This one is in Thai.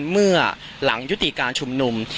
เมื่อหลังยุติการชุมนุม